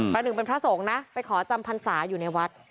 หนึ่งเป็นพระสงฆ์นะไปขอจำพรรษาอยู่ในวัด